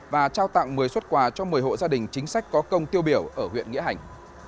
và trao tặng một mươi xuất quà cho một mươi hộ gia đình chính sách có công tiêu biểu ở huyện nghĩa hành